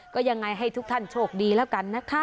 ก็ยังไงให้ทุกท่านโชคดีแล้วกันนะคะ